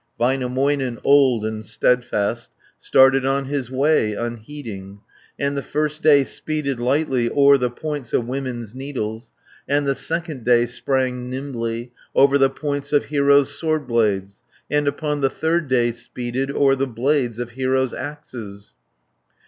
Väinämöinen, old and steadfast, Started on his way, unheeding, 50 And the first day speeded lightly O'er the points of women's needles, And the second day sprang nimbly O'er the points of heroes' sword blades, And upon the third day speeded O'er the blades of heroes' axes.